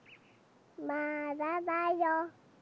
まだだよ。